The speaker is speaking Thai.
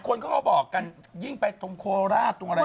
คนเขาบอกกันยิ่งไปตรงโคราชตรงอะไร